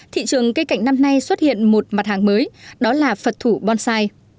thị trường cây cảnh năm nay xuất hiện một mặt hàng mới đó là phật thủ bonsai